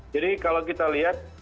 jadi kalau kita lihat